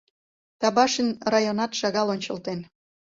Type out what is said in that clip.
Табашин районат шагал ончылтен.